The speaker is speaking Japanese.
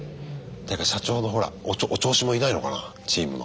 誰か社長のほらお調子もんいないのかなチームの。